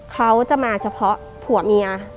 เขาจะมาเฉพาะผัวเมีย